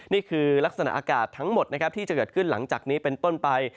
นี่คือลักษณะอากาศทั้งหมดนะครับที่จะเกิดขึ้นหลังจากนี้เป็นต้นไป